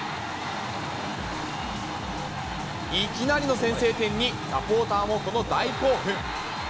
いきなりの先制点にサポーターもこの大興奮。